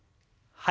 はい。